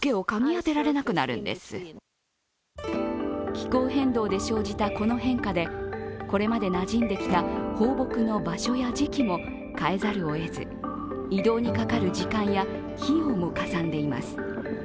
気候変動で生じたこの変化でこれまでなじんできた放牧の場所や時期も変えざるをえず、移動にかかる時間や費用もかさんでいます。